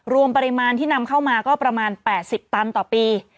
รวมปริมาณที่นำเข้ามาก็ประมาณ๘๐ตันต่อปี